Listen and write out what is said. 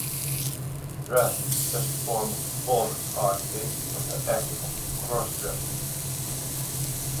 Drag is a special form of performance art based on the act of cross-dressing.